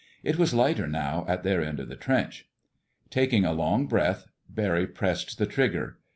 It was lighter now in their end of the trench. Taking a long breath, Barry pressed the trigger.